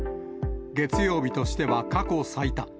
月曜日としては過去最多。